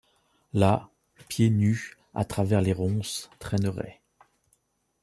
Las, pieds nus, à travers les ronces, traînerait